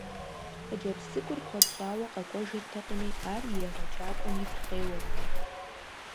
Хъыджэбз цӀыкӀур куэд щӏауэ къэкӀуэжыртэкъыми, ар и егъэджакӀуэм игу къеуэрт.